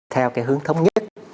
theo cái hướng thống nhất